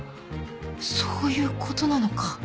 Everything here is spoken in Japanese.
そういうことなのか。